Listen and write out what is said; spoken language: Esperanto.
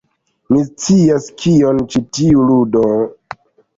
Mi scias kion ĉi tiu ludo...